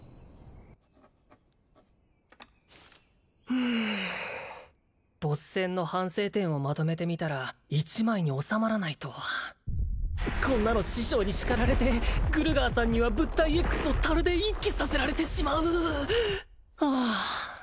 うんボス戦の反省点をまとめてみたら１枚におさまらないとはこんなの師匠に叱られてグルガーさんには物体Ｘを樽で一気させられてしまうはあ